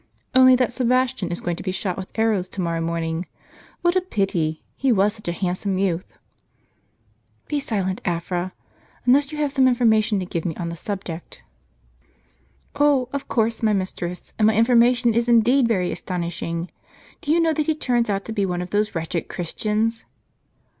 " Only that Sebastian is going to be shot with arrows to morrow morning. What a pity ; he was such a handsome youth !" "Be silent, Afra; unless you have some information to give me on the subject." "Oh, of course, my mistress; and my information is indeed very astonishing. Do you know that he turns out to be one of those wretched Christians?